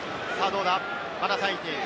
まだ耐えている。